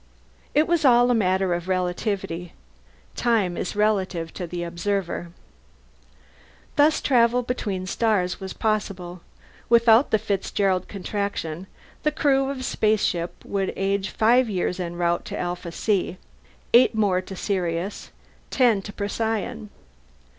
It was all a matter of relativity. Time is relative to the observer. Thus travel between the stars was possible. Without the Fitzgerald Contraction, the crew of a spaceship would age five years en route to Alpha C, eight to Sirius, ten to Procyon.